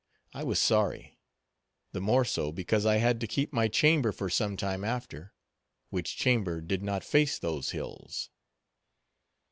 I was sorry; the more so, because I had to keep my chamber for some time after—which chamber did not face those hills.